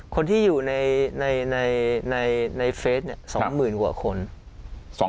คนที่อยู่ในเฟซเนี่ย๒หมื่นกว่าคน